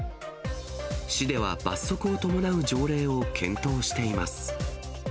市では罰則を伴う条例を検討しています。